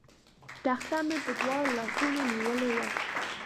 تخته مې په دواړو لاسونو نیولې وه.